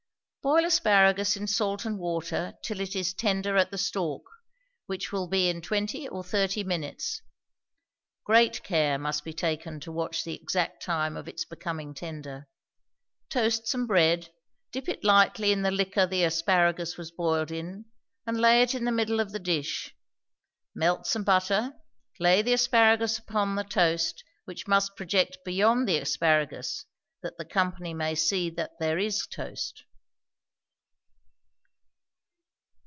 Boil asparagus in salt and water till it is tender at the stalk, which will be in twenty or thirty minutes. Great care must be taken to watch the exact time of its becoming tender. Toast some bread; dip it lightly in the liquor the asparagus was boiled in, and lay it in the middle of the dish; melt some butter; lay the asparagus upon the toast, which must project beyond the asparagus, that the company may see that there is toast.